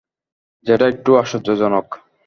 যেটা একটু আশ্চর্যজনক।